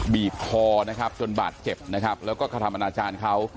บีบคอนะครับจนบาดเจ็บนะครับแล้วก็กระทำอนาจารย์เขา